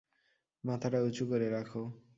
মাথাটা উঁচু করে রাখো।